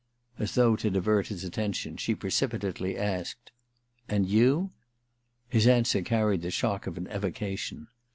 As though to divert his attentioy, she pre cipitately asked :* And you ?' His answer carried the shock of an evoca tion.